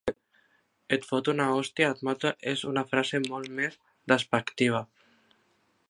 Et foto una hòstia i et mato és una frase molt més descriptiva.